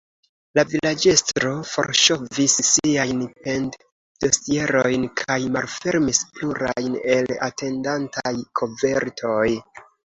La vilaĝestro forŝovis siajn pend-dosierojn kaj malfermis plurajn el atendantaj kovertoj.